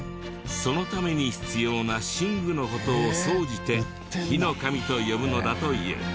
そのために必要な神具の事を総じて火の神と呼ぶのだという。